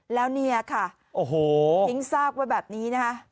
แล้วเนี่ยค่ะทิ้งทราบว่าแบบนี้นะฮะ